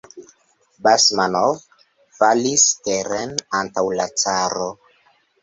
Basmanov falis teren antaŭ la caro.